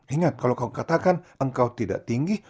ingat kalau kau katakan engkau tidak tinggi